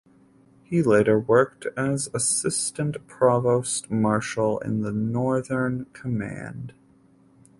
He later worked as assistant provost marshal in the Northern Command.